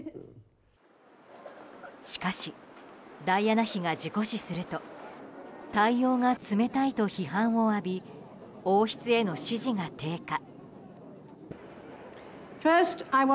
しかしダイアナ妃が事故死すると対応が冷たいと批判を浴び王室への支持が低下。